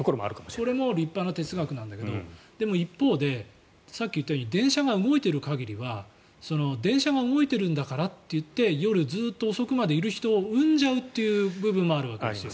これも立派な哲学なんだけどでも、一方でさっき言ったように電車が動いている限りは電車が動いてるんだからといって夜、ずっと遅くまでいる人を生んじゃうという部分もあるわけですよ。